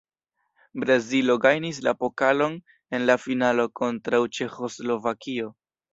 Brazilo gajnis la pokalon en la finalo kontraŭ Ĉeĥoslovakio.